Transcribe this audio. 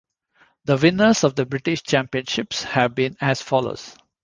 The winners of the British Championships have been as follows.